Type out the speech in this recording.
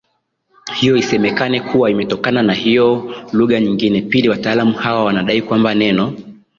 hiyo isemekane kuwa imetokana na hiyo lugha nyinginePili wataalamu hawa wanadai kwamba neno